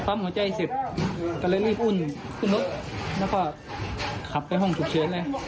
พอปั๊มหัวใจเสร็จก็เลยรีบอุ่นรถแล้วก็ขับไปห้องจุดเชื้อเลย